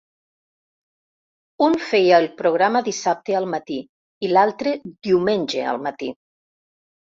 Un feia el programa dissabte al matí, i l’altre diumenge al matí.